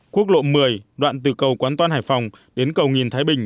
quốc lộ một mươi đoạn từ cầu quán toan hải phòng đến cầu nghìn thái bình